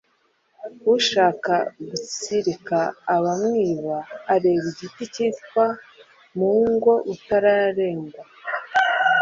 Ushaka gutsirika abamwiba areba igiti kitwa Mungo-utarengwa,